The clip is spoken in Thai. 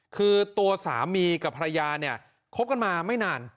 คือตัวสามีกับภรรยาเนี่ยคบกันมาไม่นาน